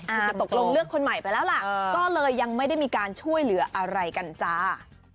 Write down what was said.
คือจะตกลงเลือกคนใหม่ไปแล้วล่ะก็เลยยังไม่ได้มีการช่วยเหลืออะไรกันจ้า